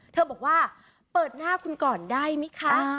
เธอบอกว่าเปิดหน้าคุณก่อนได้ไหมคะ